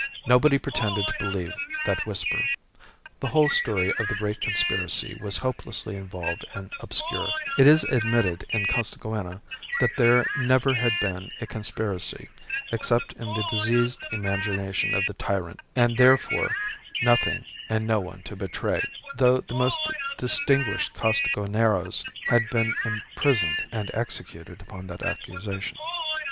Nobody pretended to believe that whisper; the whole story of the Great Conspiracy was hopelessly involved and obscure; it is admitted in Costaguana that there never had been a conspiracy except in the diseased imagination of the Tyrant; and, therefore, nothing and no one to betray; though the most distinguished Costaguaneros had been imprisoned and executed upon that accusation.